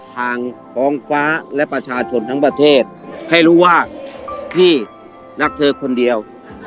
ทางฟ้องฟ้าและประชาชนทั้งประเทศให้รู้ว่าพี่รักเธอคนเดียว